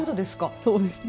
そうですね。